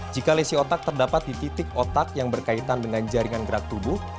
jika lesi otak terdapat di titik otak yang berkaitan dengan jaringan gerak tubuh